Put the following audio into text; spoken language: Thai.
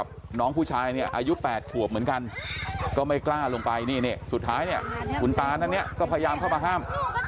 น้องผู้ชายเนี่ยอายุ๘ขวบเหมือนกันก็ไม่กล้าลงไปนี่สุดท้ายเนี่ยคุณตาท่านเนี่ยก็พยายามเข้ามาห้าม